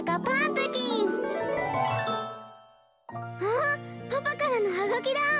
あっパパからのはがきだ！